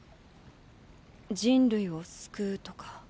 人類を救うとか